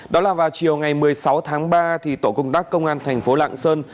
đó là vào chiều ngày một mươi sáu tháng ba tổ công tác công an thành phố lạng sơn